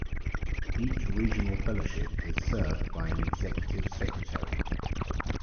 Each regional fellowship is served by an Executive Secretary.